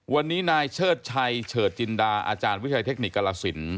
วันนี้นายเชิดชัยเฉิดจินดาอาจารย์วิทยาเทคนิคกรสิน